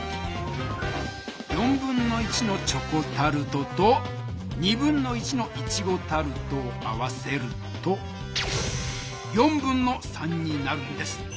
1/4のチョコタルトと1/2のイチゴタルトを合わせると3/4になるんです。